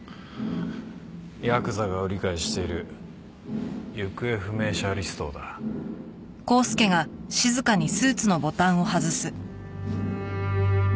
ヤクザが売り買いしている行方不明者リストをだ。